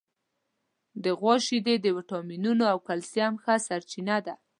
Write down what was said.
د غوا شیدې د وټامینونو او کلسیم ښه سرچینه ده.